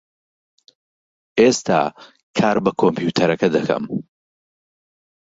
ئێستا کار بە کۆمپیوتەرەکە دەکەم.